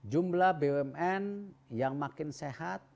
jumlah bumn yang makin sehat